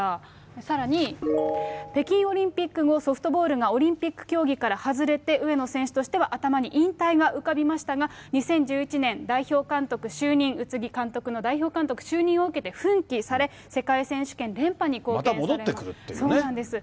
さらに、北京オリンピック後、ソフトボールがオリンピック競技から外れて上野選手としては、頭に引退が浮かびましたが、２０１１年、代表監督就任、宇津木監督の代表監督就任を受けて、奮起され、また戻ってくるっていうね。